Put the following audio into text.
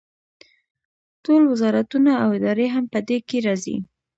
ټول وزارتونه او ادارې هم په دې کې راځي.